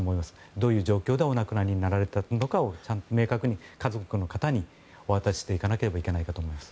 どういう状況でお亡くなりになられたのかを明確に家族の方にお渡ししていかなければならないと思います。